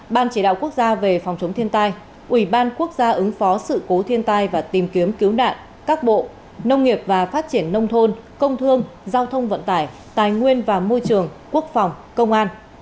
ban chỉ đạo quốc gia về phòng chống thiên tai ủy ban quốc gia ứng phó sự cố thiên tai và tìm kiếm cứu nạn các bộ nông nghiệp và phát triển nông thôn công thương giao thông vận tải tài nguyên và môi trường quốc phòng công an